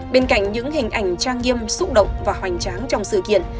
bên cạnh những hình ảnh trang nghiêm xúc động và hoành tráng trong sự kiện